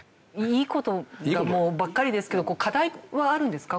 いいことばっかりですけど課題はあるんですか？